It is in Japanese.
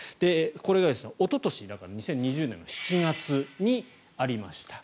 これがおととし２０２０年の７月にありました。